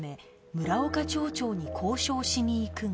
村岡町長に交渉しに行くが